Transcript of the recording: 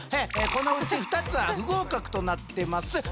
このうち２つは不合格となってますっ。